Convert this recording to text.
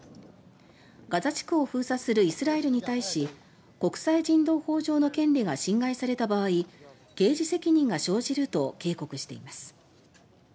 ガザ地区を封鎖するイスラエルに対し国際人道法上の権利が侵害された場合刑事責任が生じると警告しています。